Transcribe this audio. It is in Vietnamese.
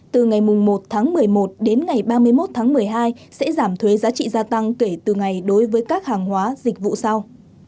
từ ngày một tháng một mươi một đến ngày ba mươi một tháng một mươi hai sẽ giảm thuế giá trị gia tăng kể từ ngày đối với các hàng hóa dịch vụ sau